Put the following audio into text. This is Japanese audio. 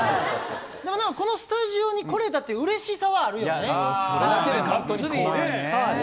このスタジオに来れたっていううれしさはあるよね。